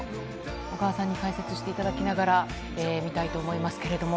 小川さんに解説していただきながら、見たいと思いますけれども。